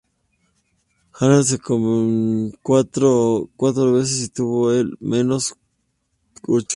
Hind, se casó cuatro veces y tuvo, al menos, ocho hijos.